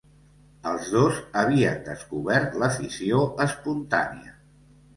Els dos havien descobert la fissió espontània.